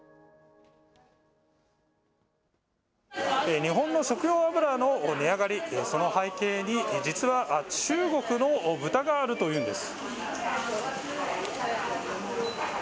日本の食用油の値上がり、その背景に実は中国の豚があるというんです。